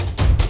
ya aku sama